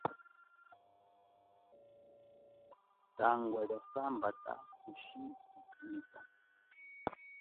Tangwa lia sambata kushi kuthumika.